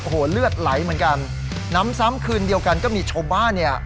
โอ้โหเลือดไหลเหมือนกันน้ำซ้ำคืนเดียวกันก็มีชาวบ้านเนี่ย